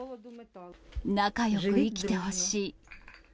仲よく生きてほしい。